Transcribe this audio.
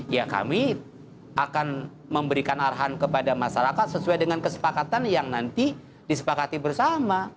ya kami akan memberikan arahan kepada masyarakat sesuai dengan kesepakatan yang nanti disepakati bersama